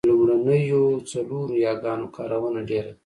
د لومړنیو څلورو یاګانو کارونه ډېره ده